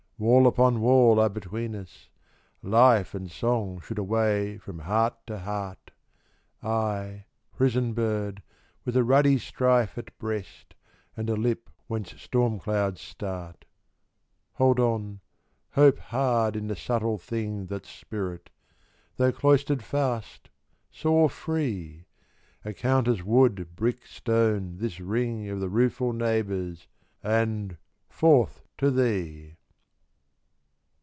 Wall upon wall are between us: life And song should away from heart to heart! I prison bird, with a ruddy strife At breast, and a lip whence storm notes start 20 Hold on, hope hard in the subtle thing That's spirit: tho' cloistered fast, soar free; Account as wood, brick, stone, this ring Of the rueful neighbours, and forth to thee!